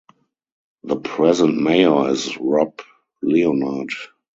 The present mayor is Rob Leonard.